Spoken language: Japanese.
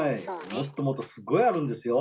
もっともっとすごいあるんですよ。